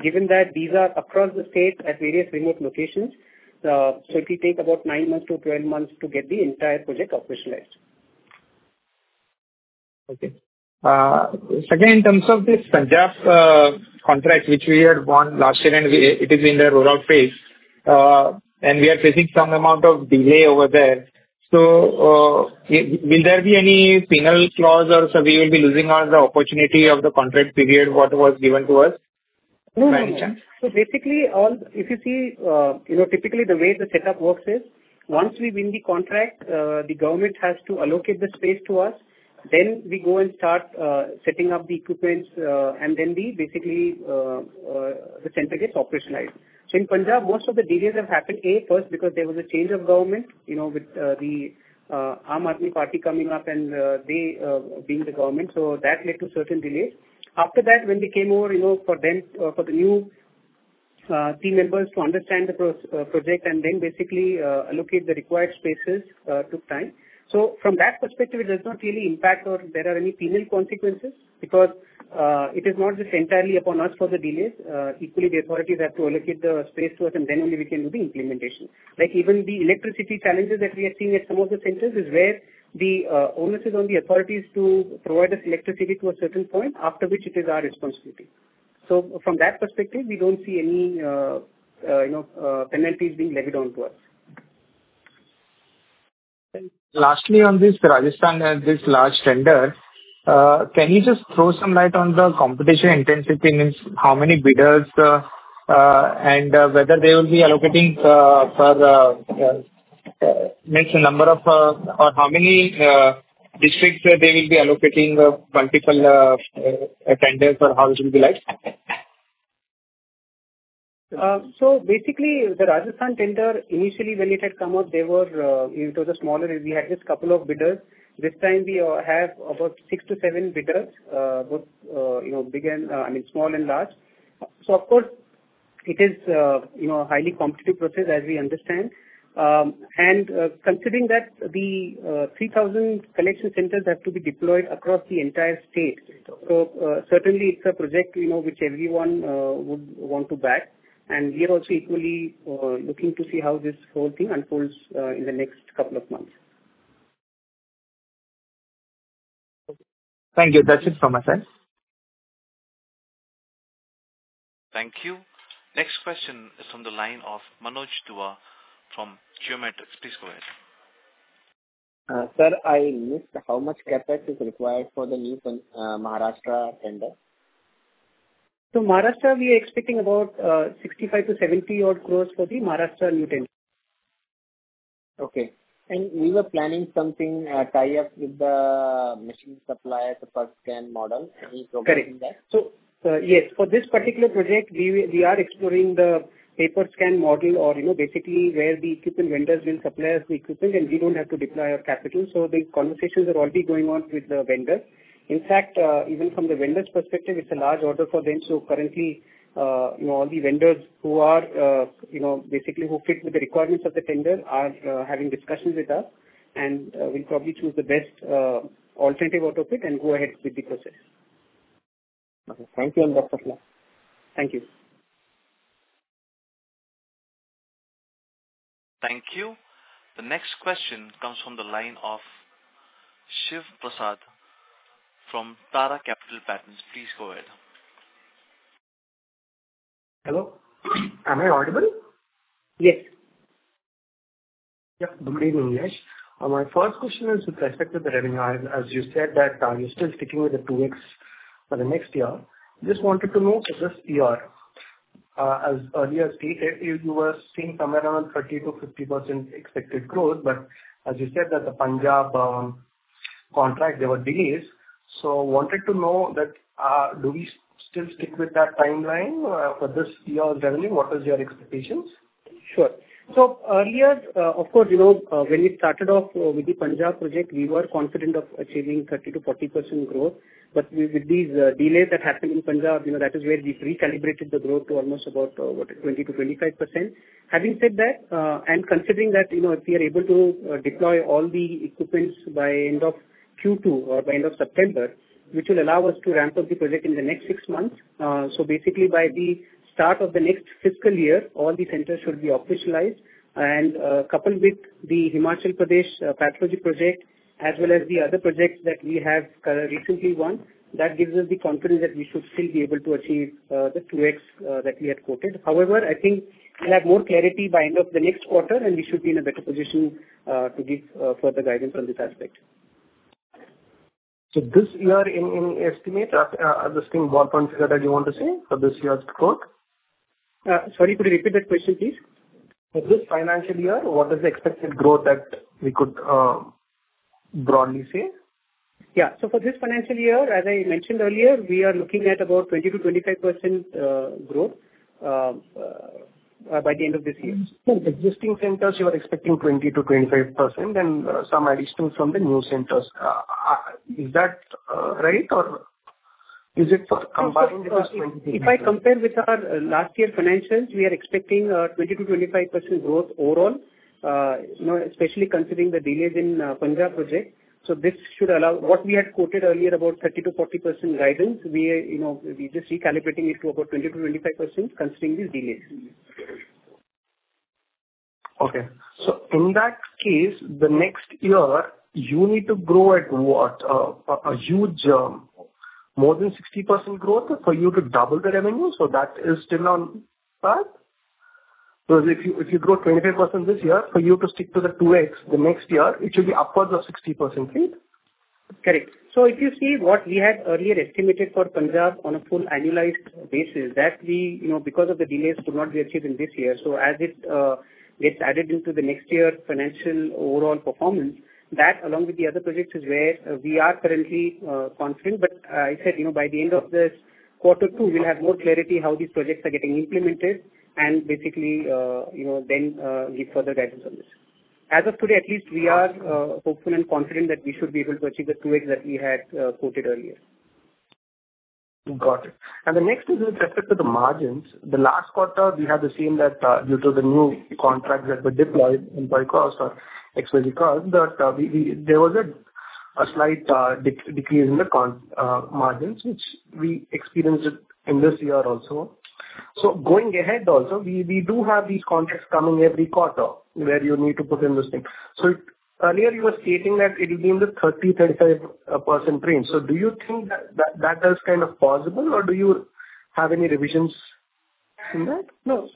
Given that these are across the state at various remote locations. It'll take about 9-12 months to get the entire project operationalized. Okay. Again, in terms of this Punjab contract, which we had won last year, and it is in the rollout phase. And we are facing some amount of delay over there. Will there be any penal clause or so we will be losing on the opportunity of the contract period what was given to us by any chance? No. Basically, if you see, you know, typically the way the setup works is once we win the contract, the government has to allocate the space to us. We go and start setting up the equipment, and then basically the center gets operationalized. In Punjab, most of the delays have happened, A, first because there was a change of government, you know, with the Aam Aadmi Party coming up and they being the government. That led to certain delays. After that when we came over, you know, for the new team members to understand the project and then basically allocate the required spaces took time. From that perspective it does not really impact or there are any penal consequences because it is not just entirely upon us for the delays. Equally the authorities have to allocate the space to us and then only we can do the implementation. Like even the electricity challenges that we are seeing at some of the centers is where the onus is on the authorities to provide us electricity to a certain point after which it is our responsibility. From that perspective we don't see any, you know, penalties being levied onto us. Lastly, on this Rajasthan and this large tender, can you just throw some light on the competition intensity and how many bidders, and whether they will be allocating or how many districts they will be allocating multiple tenders or how it will be like? Basically the Rajasthan tender, initially when it had come out, it was smaller, we had just a couple of bidders. This time we have about 6-7 bidders, both, you know, big and, I mean, small and large. Of course, it is, you know, highly competitive process as we understand. Considering that the 3,000 collection centers have to be deployed across the entire state. Certainly it's a project, you know, which everyone would want to back. We are also equally looking to see how this whole thing unfolds in the next couple of months. Okay. Thank you. That's it from my side. Thank you. Next question is from the line of Manoj Dua from Geometric's. Please go ahead. Sir, I missed how much CapEx is required for the new Maharashtra tender. Maharashtra, we are expecting about 65-70 odd crore for the Maharashtra new tender. Okay. We were planning something, a tie-up with the machine supplier to pay-per-scan model. Are you progressing that? Correct. Yes, for this particular project, we are exploring the pay-per-scan model or, you know, basically where the equipment vendors will supply us the equipment, and we don't have to deploy our capital. The conversations are already going on with the vendor. In fact, even from the vendor's perspective, it's a large order for them. Currently, you know, all the vendors who are, you know, basically who fit with the requirements of the tender are having discussions with us, and we'll probably choose the best alternative out of it and go ahead with the process. Okay. Thank you, and best of luck. Thank you. Thank you. The next question comes from the line of Shiv Prasad from Tara Capital Partners. Please go ahead. Hello? Am I audible? Yes. Good evening, Yash Mutha. My first question is with respect to the revenue. As you said that you're still sticking with the 2x for the next year. Just wanted to know for this year, as earlier stated, you were seeing somewhere around 30%-50% expected growth, but as you said that the Punjab contract, there were delays. Wanted to know that, do we still stick with that timeline for this year's revenue? What is your expectations? Sure. Earlier, of course, you know, when we started off with the Punjab project, we were confident of achieving 30%-40% growth. With these delays that happened in Punjab, you know, that is where we've recalibrated the growth to almost about 20%-25%. Having said that, and considering that, you know, if we are able to deploy all the equipment by end of Q2 or by end of September, which will allow us to ramp up the project in the next six months. Basically by the start of the next fiscal year, all the centers should be operationalized. Coupled with the Himachal Pradesh pathology project, as well as the other projects that we have recently won, that gives us the confidence that we should still be able to achieve the 2x that we had quoted. However, I think we'll have more clarity by end of the next quarter, and we should be in a better position to give further guidance on this aspect. This year in estimates, are those things more confident that you want to say for this year's growth? Sorry, could you repeat that question, please? For this financial year, what is the expected growth that we could broadly say? For this financial year, as I mentioned earlier, we are looking at about 20%-25% growth by the end of this year. Existing centers, you are expecting 20%-25%, then some additional from the new centers. Is that right or is it for combined it was 20%? If I compare with our last year financials, we are expecting 20%-25% growth overall. You know, especially considering the delays in Punjab project. This should allow what we had quoted earlier, about 30%-40% guidance. You know, we're just recalibrating it to about 20%-25% considering these delays. Okay. In that case, the next year you need to grow at what? more than 60% growth for you to double the revenue, so that is still on track? If you grow 25% this year, for you to stick to the 2x the next year, it should be upwards of 60%, right? Correct. If you see what we had earlier estimated for Punjab on a full annualized basis, that we, you know, because of the delays could not be achieved in this year. As it gets added into the next year financial overall performance, that along with the other projects is where we are currently confident. I said, you know, by the end of this quarter two, we'll have more clarity how these projects are getting implemented and basically, you know, then give further guidance on this. As of today, at least we are hopeful and confident that we should be able to achieve the 2x that we had quoted earlier. Got it. The next is with respect to the margins. The last quarter we had seen that due to the new contracts that were deployed in high cost or expense cost, that there was a slight decrease in the margins which we experienced it in this year also. Going ahead also, we do have these contracts coming every quarter where you need to put in this thing. Earlier you were stating that it is in the 30%-35% range. Do you think that that is kind of possible or do you have any revisions? No,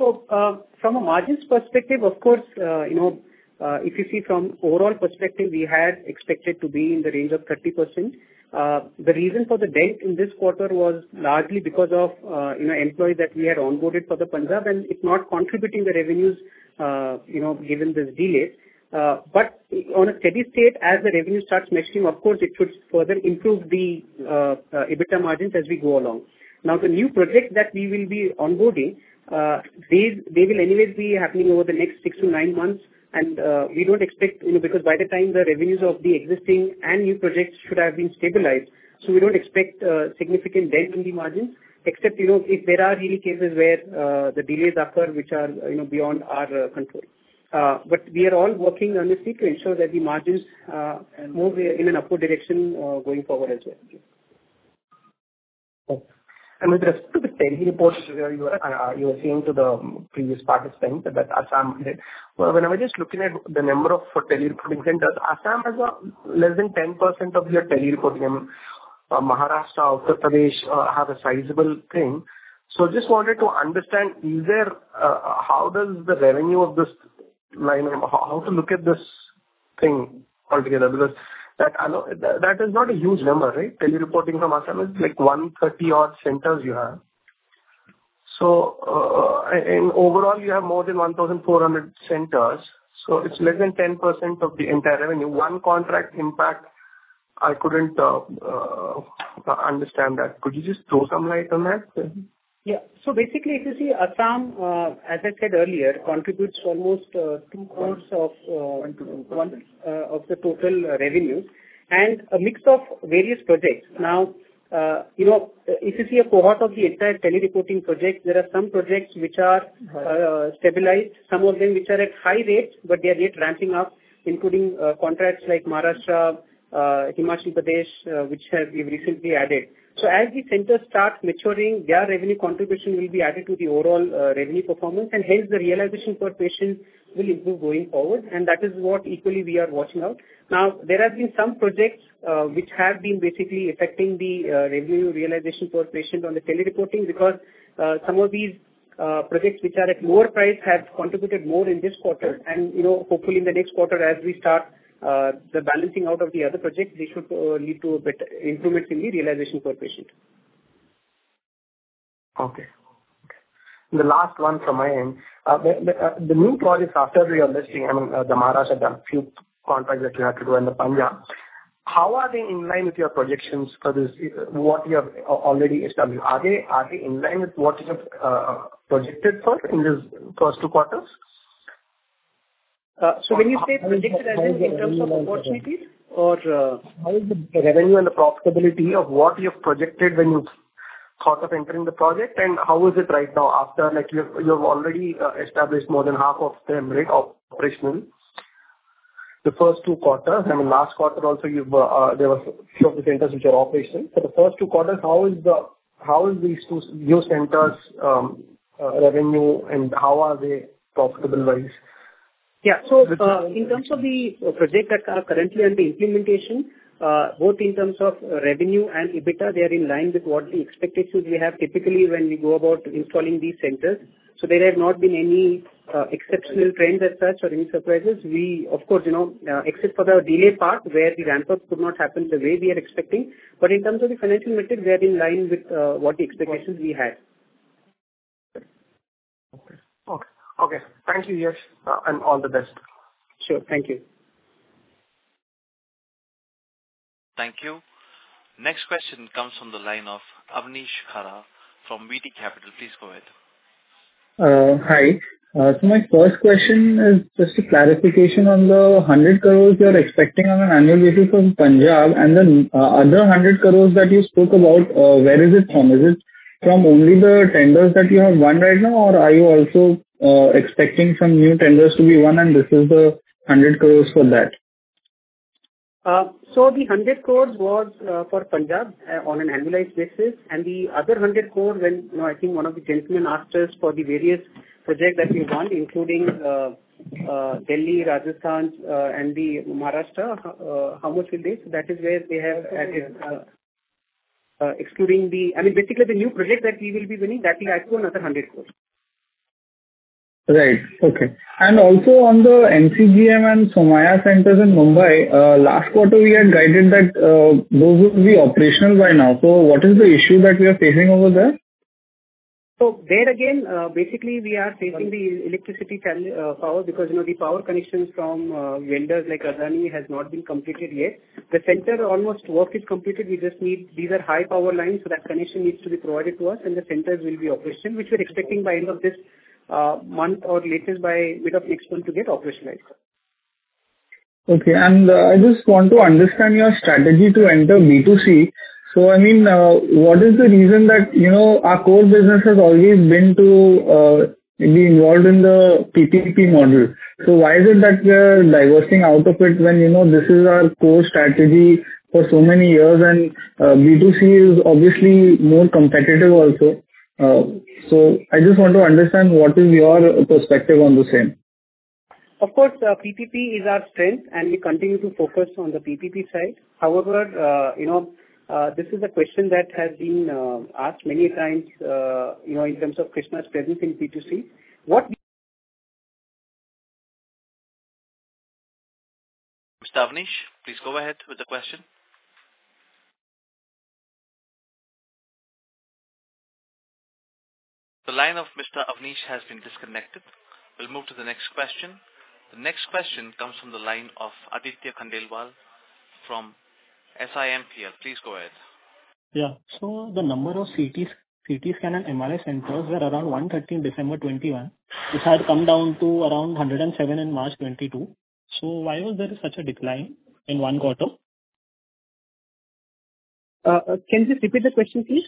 from a margins perspective, of course, you know, if you see from overall perspective, we had expected to be in the range of 30%. The reason for the dent in this quarter was largely because of, you know, employee that we had onboarded for the Punjab, and it's not contributing the revenues, you know, given this delay. On a steady state, as the revenue starts mixing, of course, it should further improve the EBITDA margins as we go along. Now, the new projects that we will be onboarding, they will anyways be happening over the next 6-9 months. We don't expect, you know, because by the time the revenues of the existing and new projects should have been stabilized. We don't expect significant dent in the margins except, you know, if there are really cases where the delays occur, which are, you know, beyond our control. We are all working on this to ensure that the margins move in an upward direction going forward as well. Okay. With respect to the tele-reporting where you are, you were saying to the previous participant about Assam. When I was just looking at the number of tele-reporting centers, Assam has less than 10% of your tele-reporting. Maharashtra, Uttar Pradesh have a sizable thing. Just wanted to understand, is there how does the revenue of this line. How to look at this thing altogether? Because that alone, that is not a huge number, right? Tele-reporting from Assam is like 130-odd centers you have. Overall, you have more than 1,400 centers, so it's less than 10% of the entire revenue. One contract impact, I couldn't understand that. Could you just throw some light on that? Yeah. Basically, if you see Assam, as I said earlier, contributes almost 2/3 of 1%-2%. Of the total revenue and a mix of various projects. Now, you know, if you see a cohort of the entire tele reporting projects, there are some projects which are stabilized, some of them which are at high rates, but they are yet ramping up, including contracts like Maharashtra, Himachal Pradesh, which we've recently added. So as the centers start maturing, their revenue contribution will be added to the overall revenue performance, and hence the realization per patient will improve going forward. That is what equally we are watching out. Now, there have been some projects which have been basically affecting the revenue realization per patient on the tele reporting because some of these projects which are at lower price have contributed more in this quarter. You know, hopefully in the next quarter, as we start the balancing out of the other projects, they should lead to a better improvements in the realization per patient. Okay. The last one from my end. I mean, the new projects after your listing, the Maharashtra, the few contracts that you have to do in the Punjab. How are they in line with your projections for this, what you have already established? Are they in line with what you have projected for in this first two quarters? When you say projected in terms of opportunities or? How is the revenue and the profitability of what you have projected when you thought of entering the project, and how is it right now after, like, you've already established more than half of them, right, operational? The first two quarters. I mean, last quarter also you've there was few of the centers which are operational. For the first two quarters, how is these two new centers revenue and how are they profitable wise? Yeah. In terms of the projects that are currently under implementation, both in terms of revenue and EBITDA, they are in line with what the expectations we have typically when we go about installing these centers. There have not been any exceptional trends as such or any surprises. We, of course, you know, except for the delay part where the ramp-ups could not happen the way we are expecting. In terms of the financial metrics, we are in line with what the expectations we had. Okay. Thank you, Yash, and all the best. Sure. Thank you. Thank you. Next question comes from the line of Avnish Khara from VT Capital. Please go ahead. Hi. My first question is just a clarification on the 100 crore you're expecting on an annual basis from Punjab, and then other 100 crore that you spoke about, where is it from? Is it from only the tenders that you have won right now, or are you also expecting some new tenders to be won and this is the INR 100 crore for that? The 100 crore was for Punjab on an annualized basis. The other 100 crore when, you know, I think one of the gentlemen asked us for the various projects that we won, including Delhi, Rajasthan, and Maharashtra, how much it is. That is where they have added, excluding the, I mean, basically the new project that we will be winning, that will add to another 100 crore. Right. Okay. also on the NCGM and Somaiya centers in Mumbai, last quarter we had guided that, those will be operational by now. What is the issue that we are facing over there? There again, basically we are facing the electricity challenge, power, because, you know, the power connections from vendors like Adani has not been completed yet. The center almost work is completed. We just need these high power lines, so that connection needs to be provided to us and the centers will be operational, which we're expecting by end of this month or latest by mid of next month to get operationalized. Okay. I just want to understand your strategy to enter B2C. I mean, what is the reason that, you know, our core business has always been to be involved in the PPP model. Why is it that we are diversifying out of it when, you know, this is our core strategy for so many years and B2C is obviously more competitive also. I just want to understand what is your perspective on the same. Of course, PPP is our strength and we continue to focus on the PPP side. However, you know, this is a question that has been asked many times, you know, in terms of Krsnaa's presence in B2C. What- Mr. Avnish, please go ahead with the question. The line of Mr. Avnish has been disconnected. We'll move to the next question. The next question comes from the line of Aditya Khandelwal from SIMPL. Please go ahead. Yeah. The number of CT scan and MRI centers were around 130 in December 2021. This has come down to around 107 in March 2022. Why was there such a decline in one quarter? Can you repeat the question, please?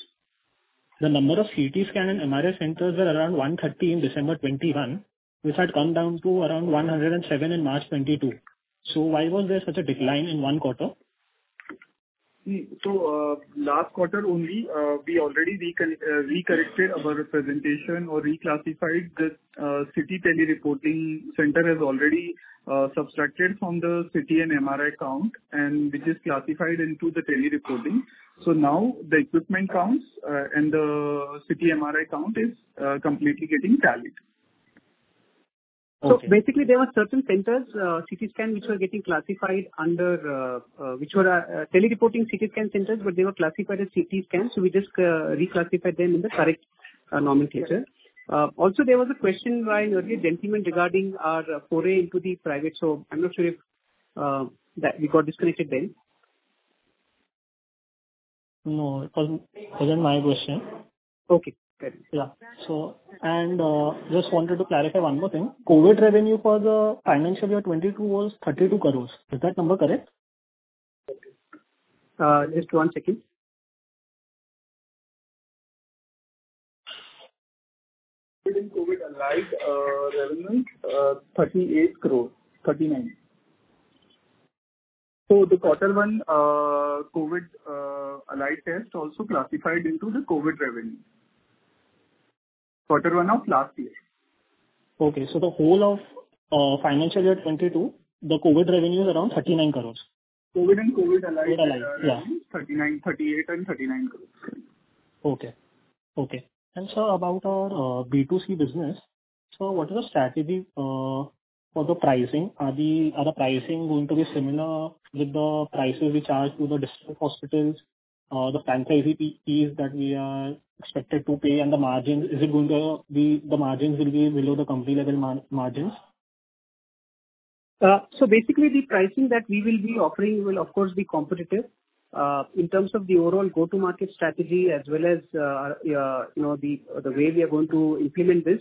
The number of CT scan and MRI centers were around 130 in December 2021, which had come down to around 107 in March 2022. Why was there such a decline in one quarter? Last quarter only, we already recorrected our presentation or reclassified the CT tele-reporting center is already subtracted from the CT and MRI count and which is classified into the tele-reporting. Now the equipment counts and the CT MRI count is completely getting tallied. Okay. Basically there are certain centers, CT scan which were getting classified under tele-reporting CT scan centers, but they were classified as CT scans, so we just reclassified them in the correct nomenclature. Also there was a question by earlier gentleman regarding our foray into the private. I'm not sure if that we got disconnected then. No. It wasn't my question. Okay. Just wanted to clarify one more thing. COVID revenue for the financial year 2022 was 32 crore. Is that number correct? Just one second. COVID and COVID allied revenue, INR 38.39 crore. The quarter one COVID allied test also classified into the COVID revenue. Quarter one of last year. Okay. The whole of financial year 2022, the COVID revenue is around 39 crore. COVID and COVID allied Allied, yeah. 39 crore, 38 crore and 39 crore. Correct. Sir, about our B2C business, what is the strategy for the pricing? Is the pricing going to be similar with the prices we charge to the district hospitals? The franchise fees that we are expected to pay and the margins, is it going to be the margins will be below the company level margins? Basically the pricing that we will be offering will of course be competitive. In terms of the overall go-to-market strategy as well as, you know, the way we are going to implement this,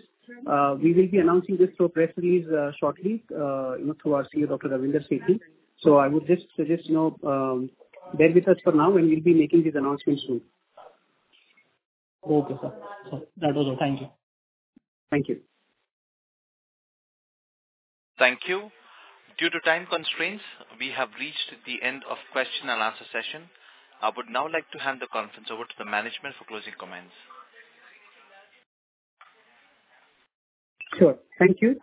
we will be announcing this through a press release, shortly, you know, through our CEO, Dr. Ravinder Sethi. I would just suggest, you know, bear with us for now, and we'll be making these announcements soon. Okay, sir. That was all. Thank you. Thank you. Thank you. Due to time constraints, we have reached the end of question and answer session. I would now like to hand the conference over to the management for closing comments. Sure. Thank you.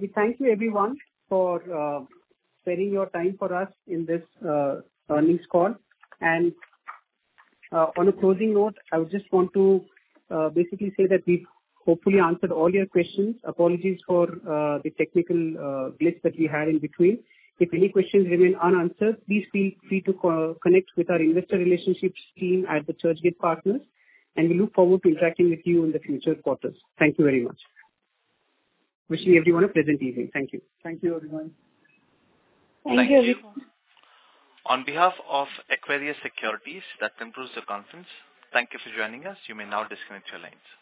We thank you everyone for sparing your time for us in this earnings call. On a closing note, I would just want to basically say that we hopefully answered all your questions. Apologies for the technical glitch that we had in between. If any questions remain unanswered, please feel free to call, connect with our investor relationships team at the Churchgate Partners, and we look forward to interacting with you in the future quarters. Thank you very much. Wishing everyone a pleasant evening. Thank you. Thank you, everyone. Thank you, everyone. On behalf of Equirus Securities, that concludes the conference. Thank you for joining us. You may now disconnect your lines.